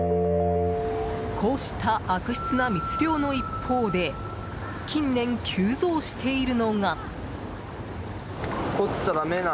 こうした悪質な密漁の一方で近年急増しているのが。